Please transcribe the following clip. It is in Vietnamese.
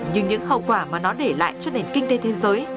nhưng những hậu quả mà nó để lại cho nền kinh tế thế giới